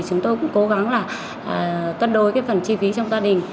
chúng tôi cũng cố gắng là cân đối cái phần chi phí trong gia đình